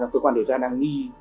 cơ quan điều tra đang nghi